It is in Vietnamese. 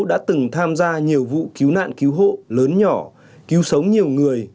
đã từng tham gia nhiều vụ cứu nạn cứu hộ lớn nhỏ cứu sống nhiều người